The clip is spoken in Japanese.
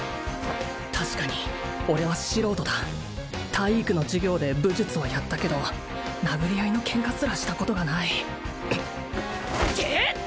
確かに俺は素人だ体育の授業で武術はやったけど殴り合いのケンカすらしたことがないていっ！